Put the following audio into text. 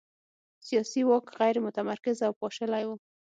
سیاسي واک غیر متمرکز او پاشلی و.